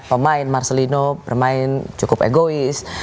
pemain marcelino bermain cukup egois